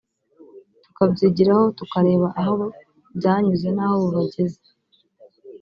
tukabyigiraho tukareba aho byanyuze naho ubu bageze